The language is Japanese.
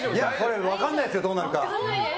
分からないですよ、どうなるか。